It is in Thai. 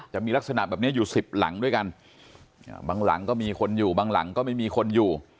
จะมีลักษณะแบบนี้อยู่สิบหลังด้วยกันบางหลังก็มีคนอยู่บางหลังก็ไม่มีคนอยู่